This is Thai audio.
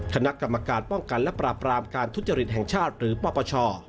คณะกรรมการป้องกันและปราบรามการทุจริตแห่งชาติหรือปปช